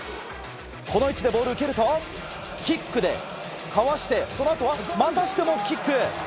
この位置でボールを受けると、キックでかわして、そのあとは、またしてもキック。